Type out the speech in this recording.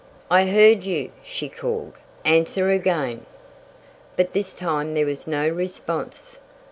"I heard you," she called. "Answer again!" But this time there was no response.